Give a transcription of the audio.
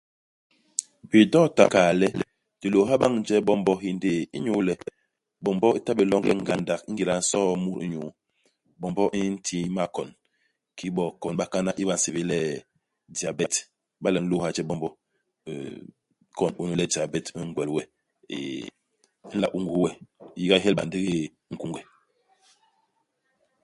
Bidokta bi nkal le di lôôha bañ je bombo hindéé inyu le, bombo i ta bé longe ngandak ingéda i nsoo mut i nyuu. Bombo i nti makon kiki bo kon ibakana i ba nsébél le diabet. Iba le u nlôôhe je bombo, ikon unu le diabet u ngwel we. Et i nla ungus we. U yiga helba ndigi nkunge.